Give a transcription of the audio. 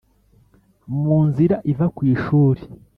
mu nzira iva kwishuri,